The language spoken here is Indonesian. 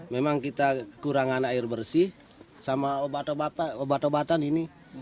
memang kita kekurangan air bersih sama obat obatan ini